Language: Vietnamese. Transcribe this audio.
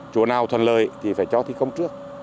chùa nào thuần lợi thì phải cho thi công trước